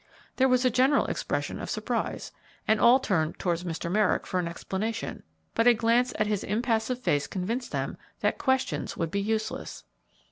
There was a general expression of surprise, and all turned towards Mr. Merrick for an explanation, but a glance at his impassive face convinced them that questions would be useless.